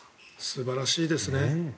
素晴らしいですね。